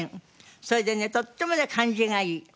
それでねとってもね感じがいい。